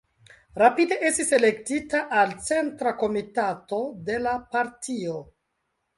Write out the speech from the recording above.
Rapide estis elektita al centra komitato de la partio.